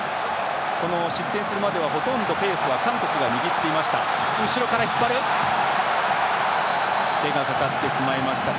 失点するまではほとんどペースは韓国が握っていました。